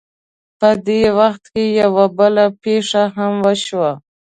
په دې وخت کې یوه بله پېښه هم وشوه.